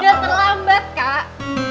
udah terlambat kak